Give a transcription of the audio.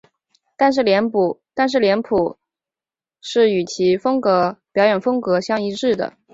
但是脸谱是与其表演风格相一致的。